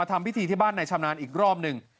ทำพิธีที่บ้านในชำนาญอีกรอบหนึ่ง